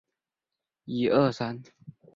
宪法中并未提及国旗长宽比。